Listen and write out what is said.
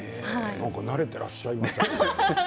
慣れてらっしゃいましたよね。